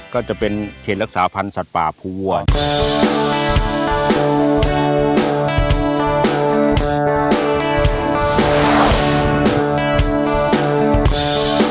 ก็จะเป็นเขตรักษาพันธ์สัตว์ป่าภูวัว